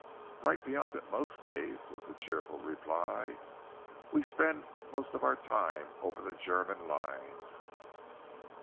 "Right beyond it, most days," was the cheerful reply. "We spend most of our time over the German lines."